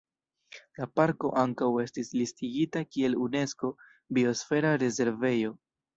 La parko ankaŭ estis listigita kiel Unesko Biosfera Rezervejo.